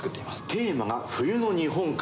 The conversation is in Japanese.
テーマが冬の日本海。